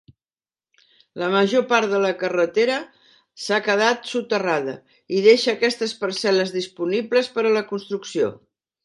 La major part de la carretera s'ha quedat soterrada, i deixa aquestes parcel·les disponibles per a la construcció.